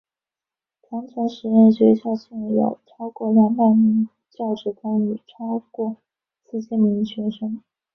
长城实验学校现有超过两百名教职工与超过四千名学生。